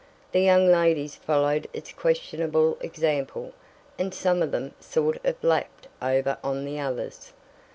The young ladies followed its questionable example, and some of them "sort of" lapped over on the others.